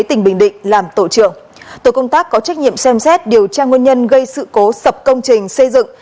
tổ công tác có trách nhiệm xem xét điều tra nguyên nhân gây sự cố sập công trình xây dựng